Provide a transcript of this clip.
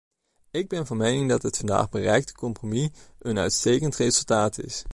Ik ben van mening dat het vandaag bereikte compromis een uitstekend resultaat is.